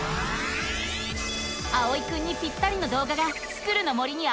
あおいくんにぴったりのどうがが「スクる！の森」にあらわれた。